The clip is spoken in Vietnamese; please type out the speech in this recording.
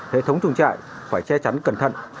hệ thống trùng trại phải che chắn cẩn thận